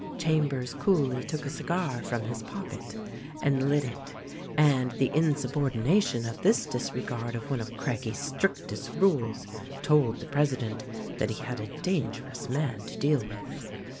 Chambers coolly took a cigar from his pocket and lit it — and the insubordination of this disregard of one of Craggie's strictest rules told the president that he had a dangerous man to deal with.